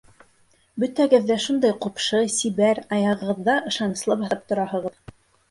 Бөтәгеҙ ҙә шундай ҡупшы, сибәр, аяғығыҙҙа ышаныслы баҫып тораһығыҙ.